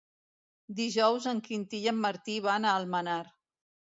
Dijous en Quintí i en Martí van a Almenar.